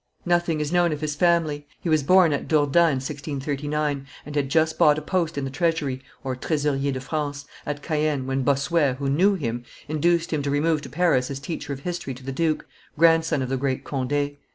Nothing is known of his family. He was born at Dourdan in 1639, and had just bought a post in the Treasury (tresorier de France) at Caen, when Bossuet, who knew him, induced him to remove to Paris as teacher of history to the duke, grandson of the great Conde.